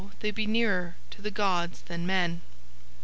they be nearer to the gods than men."